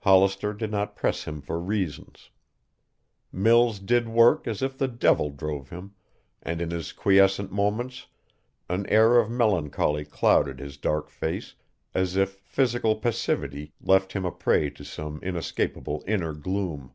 Hollister did not press him for reasons. Mills did work as if the devil drove him, and in his quiescent moments an air of melancholy clouded his dark face as if physical passivity left him a prey to some inescapable inner gloom.